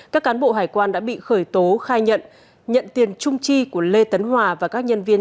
các cán bộ hải quan đã bị khởi tố khai nhận nhận tiền chung chi của lê tấn hòa và các nhân viên